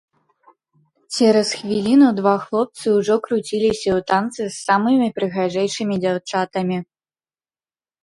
Цераз хвіліну два хлопцы ўжо круціліся ў танцы з самымі прыгажэйшымі дзяўчатамі.